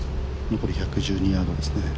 残り１１２ヤードです。